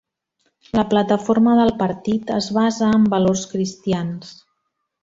La plataforma del partit es basa en valors cristians.